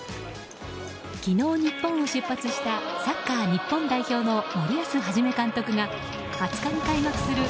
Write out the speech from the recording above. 昨日、日本を出発したサッカー日本代表の森保一監督が２０日に開幕するＦＩＦＡ